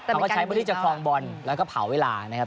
เขาก็ใช้เบอร์ที่จะครองบอลแล้วก็เผาเวลานะครับ